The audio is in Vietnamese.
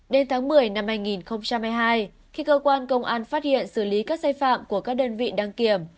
đến tháng một mươi năm hai nghìn hai mươi hai khi cơ quan công an phát hiện xử lý các sai phạm của các đơn vị đăng kiểm